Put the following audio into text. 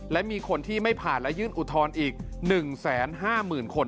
และมีคนที่ไม่ผ่านและยื่นอุทธรณ์อีก๑๕๐๐๐คน